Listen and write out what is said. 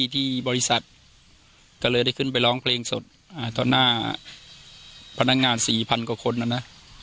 ที่บริษัทก็เลยได้ขึ้นไปร้องเพลงสดต่อหน้าพนักงานสี่พันกว่าคนนะนะ